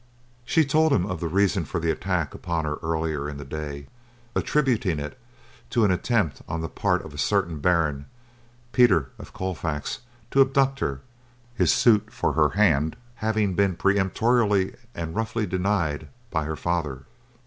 She told him of the reason for the attack upon her earlier in the day, attributing it to an attempt on the part of a certain baron, Peter of Colfax, to abduct her, his suit for her hand having been peremptorily and roughly denied by her father.